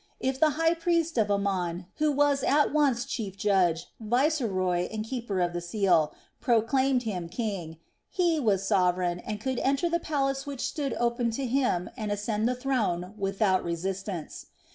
If the high priest of Amon, who was at once chief judge, viceroy and keeper of the seal, proclaimed him king, he was sovereign and could enter the palace which stood open to him and ascend the throne without resistance.